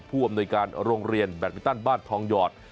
ผู้อำนวยการโรงเรียนแบตมินตันบ้านทองหยอด